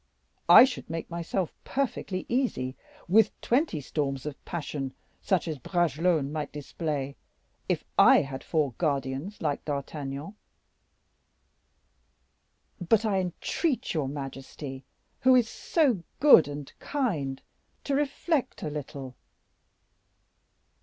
I should make myself perfectly easy with twenty storms of passion, such as Bragelonne might display, if I had four guardians like D'Artagnan." "But I entreat your majesty, who is so good and kind, to reflect a little."